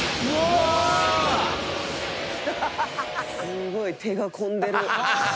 すごい手が込んでる。